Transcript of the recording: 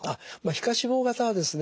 皮下脂肪型はですね